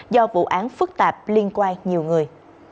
do vụ án phức tạp liên quan nhiều người